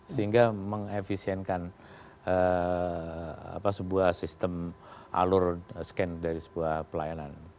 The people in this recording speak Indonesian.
sehingga mengefisienkan sebuah sistem alur scan dari sebuah pelayanan